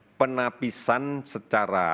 dan penapisan secara penyelamat